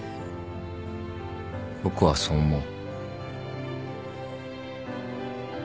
僕はそう思う。